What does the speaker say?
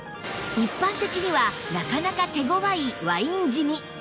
一般的にはなかなか手ごわいワイン染み